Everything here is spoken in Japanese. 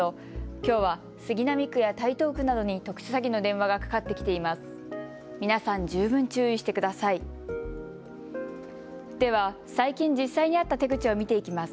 きょうは杉並区や台東区などに特殊詐欺の電話がかかってきています。